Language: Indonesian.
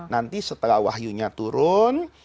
nanti setelah wahyunya turun